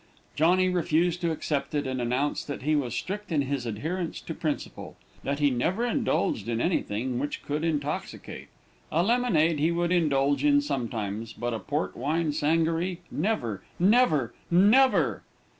Johnny refused to accept it, and announced that he was strict in his adherence to principle that he never indulged in anything which could intoxicate. A lemonade he would indulge in sometimes, but a port wine sangaree never never NEVER.